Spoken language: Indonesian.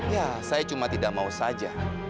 ya saya cuma tidak mau saja